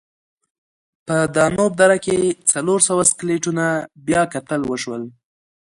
په دانوب دره کې څلور سوه سکلیټونه بیاکتل وشول.